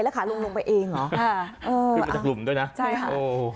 แล้วขาลงลงไปเองเหรออืมขึ้นมาจากกลุ่มด้วยนะใช่ค่ะโอ้